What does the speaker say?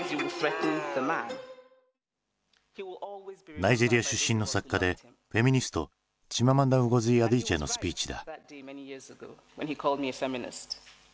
ナイジェリア出身の作家でフェミニストチママンダ・ンゴズィ・アディーチェのスピーチだ。